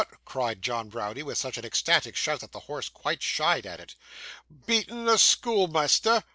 cried John Browdie, with such an ecstatic shout, that the horse quite shied at it. 'Beatten the schoolmeasther!